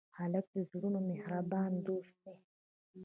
هلک د زړونو مهربان دوست دی.